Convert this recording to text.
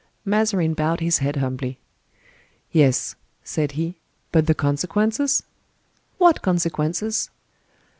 Mazarin bowed his head humbly. "Yes," said he, "but the consequences?" "What consequences?"